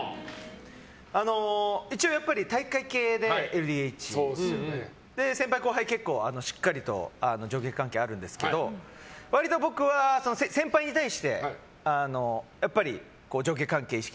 一応、体育会系で、ＬＤＨ先輩後輩しっかりと上下関係あるんですけど割と僕は先輩に対して、上下関係意識。